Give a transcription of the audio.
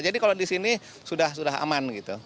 jadi kalau di sini sudah aman gitu